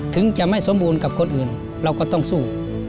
ถึงจะไม่สมบูรณ์กับคนอื่นเราก็ต้องสู้